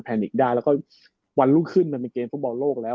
นิกได้แล้วก็วันรุ่งขึ้นมันเป็นเกมฟุตบอลโลกแล้ว